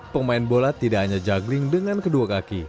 pemain bola tidak hanya juggling dengan kedua kaki